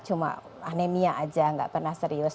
cuma anemia aja nggak pernah serius